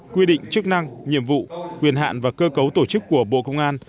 quy định chức năng nhiệm vụ quyền hạn và cơ cấu tổ chức của bộ công an